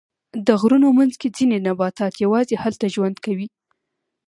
د غرونو منځ کې ځینې نباتات یواځې هلته ژوند کوي.